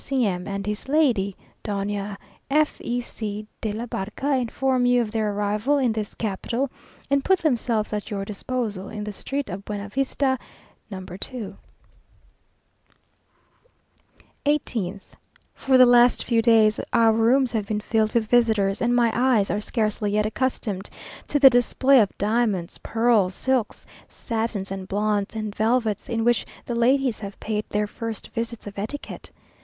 C. M.; and his Lady, Doña F E C de la B ; Inform you of their arrival in this capital, and put themselves at your disposal, in the street of Buenavista, No. 2.] 18th. For the last few days our rooms have been filled with visitors, and my eyes are scarcely yet accustomed to the display of diamonds, pearls, silks, satins, blondes, and velvets, in which the ladies have paid their first visits of etiquette.